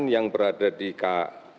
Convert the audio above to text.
yang berada di kpu lombok